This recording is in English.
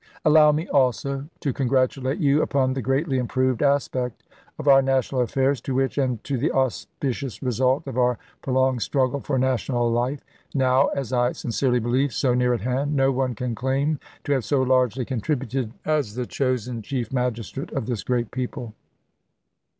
Allow me also to congratulate you upon the greatly improved aspect of our national affairs, to which, and to the auspicious result of our prolonged struggle for national life, now, as I sincerely believe, so near at hand, no one can claim to have so largely toTfncohi, contributed as the chosen Chief Magistrate of this Feb. 6, 1865. ,,_ ms. great people."